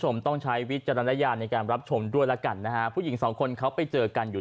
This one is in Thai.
ต้องใช้วิจารณญาณในการรับชมด้วยแล้วกันนะฮะผู้หญิงสองคนเขาไปเจอกันอยู่